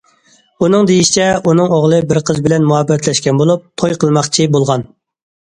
ئۇنىڭ دېيىشىچە، ئۇنىڭ ئوغلى بىر قىز بىلەن مۇھەببەتلەشكەن بولۇپ، توي قىلماقچى بولغان.